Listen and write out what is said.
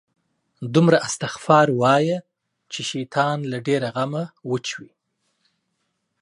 دومره استغفار وایه، چې شیطان له ډېره غمه وچوي